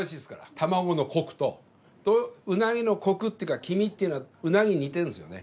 卵のコクとうなぎのコクっていうか黄身っていうのはうなぎに似てるんですよね。